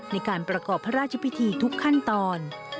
ในการประกอบพระราชพิธีทุกขั้นตอน